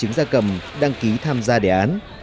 trứng da cầm đăng ký tham gia đề án